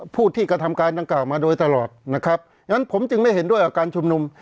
ผู้ที่กระทำการดังกล่าวมาโดยตลอดนะครับงั้นผมจึงไม่เห็นด้วยกับการชุมนุม